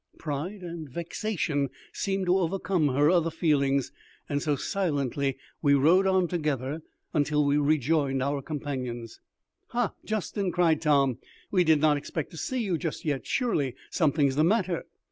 Pride and vexation seemed to overcome her other feelings, and so silently we rode on together until we rejoined our companions. "Ha, Justin!" cried Tom, "we did not expect to see you just yet Surely something's the matter?"